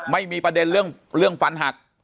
ไม่มีประเด็นเรื่องฟันหัก